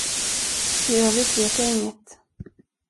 I övrigt vet jag inget.